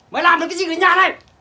mày làm được cái gì ở nhà này